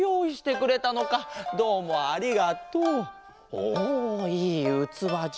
おいいうつわじゃ！